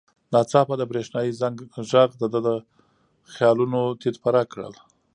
ناڅاپه د برېښنایي زنګ غږ د ده خیالونه تیت پرک کړل.